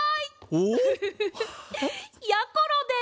おっ？やころです。